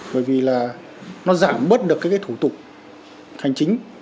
bởi vì là nó giảm bớt được các cái thủ tục hành chính